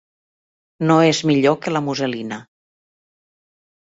No és millor que la muselina.